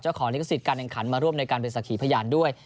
ของลิขสิทธิ์การแข่งขันมาร่วมในการเป็นสักขีพยานด้วย